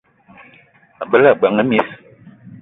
O gbele ebeng e miss :